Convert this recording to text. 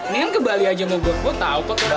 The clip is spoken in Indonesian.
nih ke bali aja sama gue gue tau kok ke bali